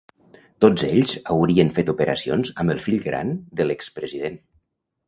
Tots ells haurien fet operacions amb el fill gran de l’expresident.